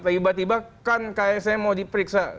tiba tiba kan ksm mau diperiksa